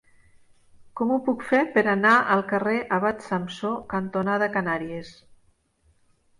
Com ho puc fer per anar al carrer Abat Samsó cantonada Canàries?